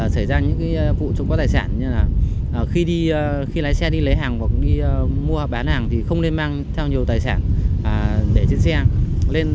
xảy ra những vụ trộm cắp tài sản như là khi đi lái xe đi lấy hàng hoặc đi mua bán hàng thì không nên mang theo nhiều tài sản để trên xe